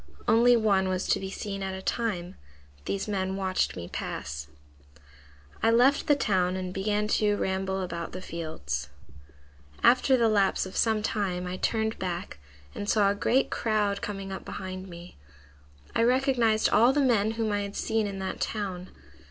Only one was to be seen at a time. These men watched me pass. "I left the town and began to ramble about the fields. "After the lapse of some time I turned back and saw a great crowd coming up behind me. I recognized all the men whom I had seen in that town.